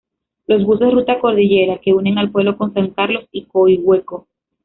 Los "Buses Ruta Cordillera" que unen el pueblo con San Carlos y Coihueco.